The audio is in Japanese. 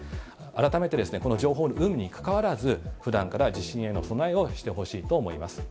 改めてこの情報の有無にかかわらず、ふだんから地震への備えをしてほしいと思います。